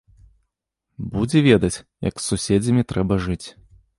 Будзе ведаць, як з суседзямі трэба жыць.